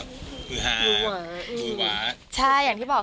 ภูหาภูหวะภูหวะใช่อย่างที่บอก